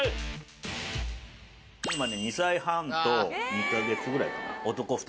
今ね２歳半と２か月ぐらいかな。